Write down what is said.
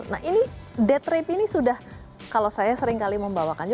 nah ini date rape ini sudah kalau saya seringkali membawakan